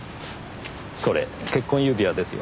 それ結婚指輪ですよねぇ。